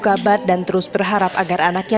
kabar dan terus berharap agar anaknya